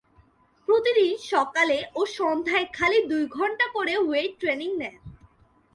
প্রতিদিন সকালে ও সন্ধ্যায় খালি দুই ঘণ্টা করে ওয়েট ট্রেনিং নেন।